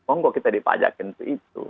oh tidak kita dipajakin itu